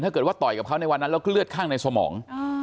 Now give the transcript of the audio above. ถ้าเกิดว่าต่อยกับเขาในวันนั้นแล้วก็เลือดคั่งในสมอง